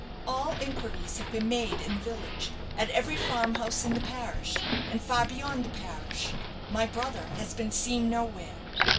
All inquiries have been made in the village, at every farm house in the parish, and far beyond the parish. My brother has been seen nowhere.